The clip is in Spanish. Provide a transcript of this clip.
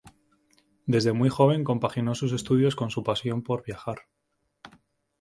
Desde muy joven compaginó sus estudios con su pasión por viajar.